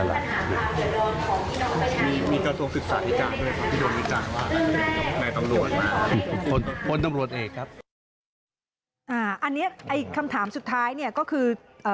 อันนี้อีกคำถามสุดท้ายก็คือ